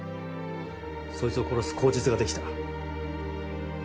そいつを殺す口実が出来た。